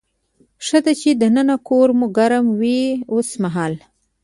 ښه ده چې دننه کور مو ګرم وي اوسمهال.